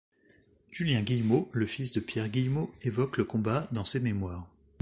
Julien Guillemot, le fils de Pierre Guillemot évoque le combat dans ses mémoires.